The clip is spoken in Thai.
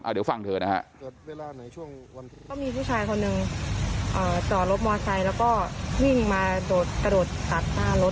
เอาเดี๋ยวฟังเธอนะครับ